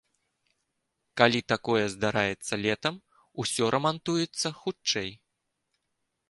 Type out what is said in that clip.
Калі такое здараецца летам, усё рамантуецца хутчэй.